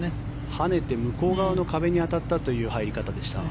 跳ねて向こう側の壁に当たったという入り方でした。